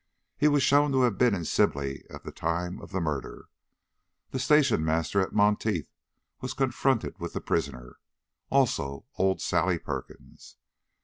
He was shown to have been in Sibley at the time of the murder. The station master at Monteith was confronted with the prisoner, also old Sally Perkins.